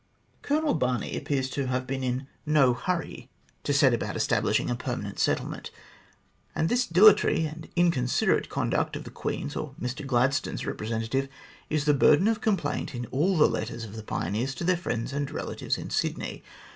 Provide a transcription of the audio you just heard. Colonel Barney appears to have been in no hurry to set 44 THE GLADSTONE COLONY about establishing a permanent settlement, and this dilatory and inconsiderate conduct of the Queen's, or Mr Gladstone's, representative, is the burden of complaint in all the letters of the pioneers to their friends and relatives in Sydney.